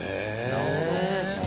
なるほど。